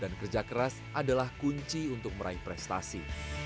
dan kerja keras adalah kunci untuk meraih prestasi